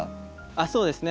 あっそうですね。